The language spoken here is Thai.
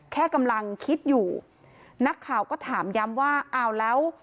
แค่กำลังคิดอยู่นักข่าวก็ถามย้ำว่าอ้าวแล้ว